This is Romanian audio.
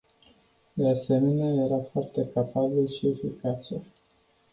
De asemenea, era foarte capabil și eficace.